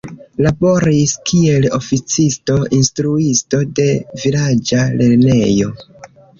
Laboris kiel oficisto, instruisto de vilaĝa lernejo.